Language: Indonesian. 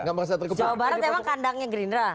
jawa barat emang kandangnya gerindra